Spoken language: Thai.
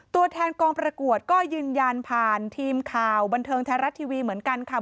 ตัวแทนกองประกวดก็ยืนยันผ่านทีมข่าวบันเทิงไทยรัฐทีวีเหมือนกันค่ะ